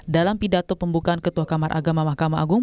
dalam pidato pembukaan ketua kamar agama mahkamah agung